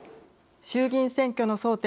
衆議院選挙の争点